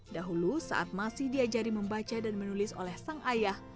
dahulu saat masih diajari membaca dan menulis oleh sang ayah